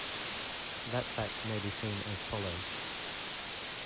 That fact may be seen as follows.